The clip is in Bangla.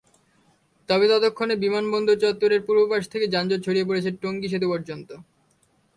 তবে ততক্ষণে বিমানবন্দর চত্বরের পূর্ব পাশ থেকে যানজট ছড়িয়ে পড়ে টঙ্গী সেতু পর্যন্ত।